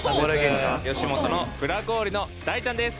吉本のブラゴーリの大ちゃんです。